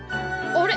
あれ？